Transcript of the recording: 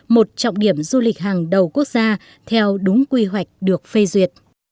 một trọng điểm du lịch hàng đầu quốc gia theo đúng quy hoạch được phê duyệt